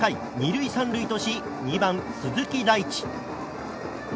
２塁１塁とし２番、鈴木大地。